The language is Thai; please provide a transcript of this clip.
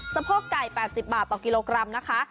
สะโพกไก่๘๐บาทต่อกิโลกรัมนะคะ